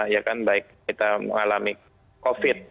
ya kan baik kita mengalami covid